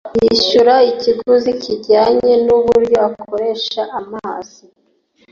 yishyura ikiguzi kijyanye n’uburyo akoresha amazi